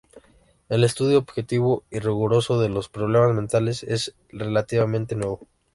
El estudio objetivo y riguroso de los problemas mentales es relativamente nuevo.